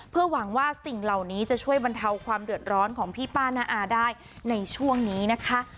เพื่อหวังว่าสิ่งเหล่านี้จะช่วยบรรเทาความเดือดร้อนของพี่ป้าน้าอาได้ในช่วงนี้นะคะ